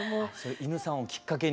犬さんをきっかけに。